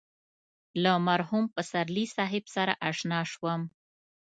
له مرحوم پسرلي صاحب سره اشنا شوم.